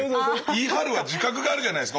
「言いはる」は自覚があるじゃないですか。